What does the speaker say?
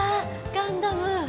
ガンダム。